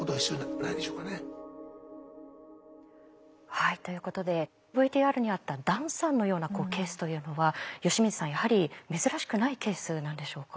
はいということでＶＴＲにあったダンさんのようなケースというのは吉水さんやはり珍しくないケースなんでしょうか？